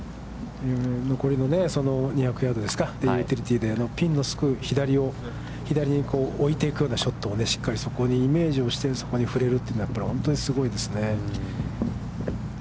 残りの２００ヤードですか、ユーティリティーでピンのすぐ左に置いていくようなショットをしっかりそこにイメージをして、そこに振れるというのは本当にすごいですね。